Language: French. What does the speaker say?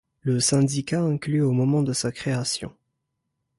Le syndicat inclut au moment de sa création.